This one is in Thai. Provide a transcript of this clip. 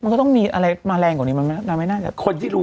มันก็ต้องมีอะไรมาแรงกว่านี้